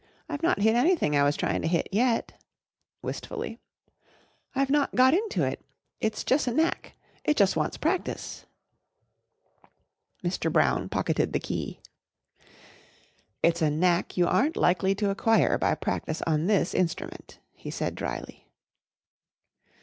I've not hit anything I was trying to hit yet," wistfully. "I've not got into it. It's jus' a knack. It jus' wants practice." Mr. Brown pocketed the key. "It's a knack you aren't likely to acquire by practice on this instrument," he said drily.